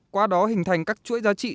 qua đó hình thành các chuỗi giá trị